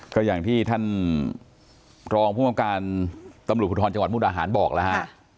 ก็อย่างที่ท่านรองผู้บังการตำรวจภูทรจังหวัดมุกดาหารบอกแล้วฮะ